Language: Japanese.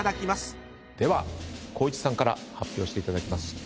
では光一さんから発表していただきます。